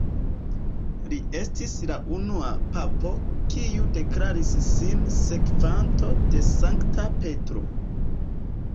Li estis la unua papo kiu deklaris sin sekvanto de Sankta Petro.